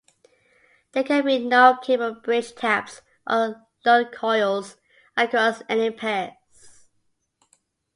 There can be no cable bridge taps or Load Coils across any pairs.